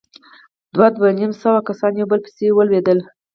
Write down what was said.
دوه، دوه نيم سوه کسان يو په بل پسې ولوېدل.